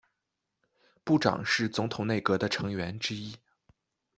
部长是总统内阁的成员之一。